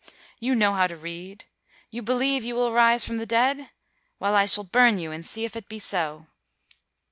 'You know how to read.' 'You believe you will rise from the dead?' 'Well, I shall burn you and see if it be so.'